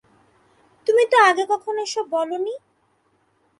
তুমি তো আগে কখনো এসব বলনি।